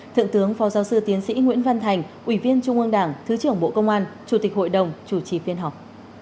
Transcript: thượng tướng phó giáo sư tiến sĩ nguyễn văn thành ủy viên trung ương đảng thứ trưởng bộ công an chủ tịch hội đồng chủ trì phiên họp